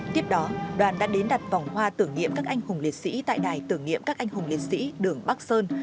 tiếp đó đoàn đã đến đặt vòng hoa tưởng niệm các anh hùng liệt sĩ tại đài tưởng niệm các anh hùng liệt sĩ đường bắc sơn